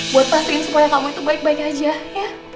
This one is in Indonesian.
buat pastiin supaya kamu itu baik baik aja ya